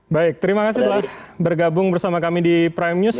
baik terima kasih telah bergabung bersama kami di prime news